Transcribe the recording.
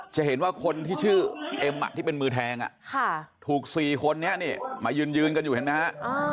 จะเห็นว่าคนที่ชื่อเอ็มที่เป็นมือแทงถูก๔คนนี้นี่มายืนกันอยู่เห็นไหมฮะ